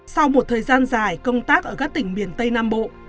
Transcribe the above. sau một thời gian dài công tác ở các tỉnh miền tây nam bộ